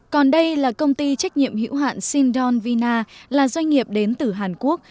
còn đây là công ty trách nhiệm hữu hạn sindonvina là doanh nghiệp đến từ hàn quốc